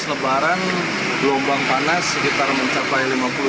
lima puluh unitan ac terjual